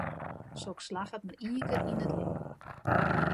Soks slagget mar ien kear yn it libben.